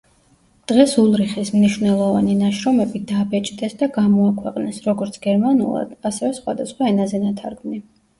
დღეს ულრიხის მნიშვნელოვანი ნაშრომები დაბეჭდეს და გამოაქვეყნეს, როგორც გერმანულად, ასევე სხვადასხვა ენაზე ნათარგმნი.